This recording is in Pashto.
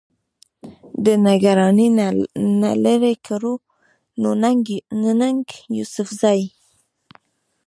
د نګرانۍ نه لرې کړو، نو ننګ يوسفزۍ